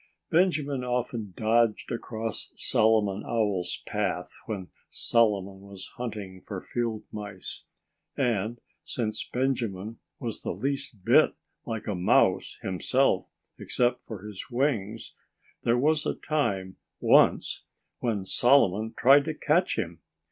Benjamin often dodged across Solomon Owl's path, when Solomon was hunting for field mice. And since Benjamin was the least bit like a mouse himself—except for his wings—there was a time, once, when Solomon tried to catch him.